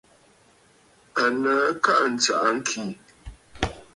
Aləə kaʼanə ntsya ŋkì.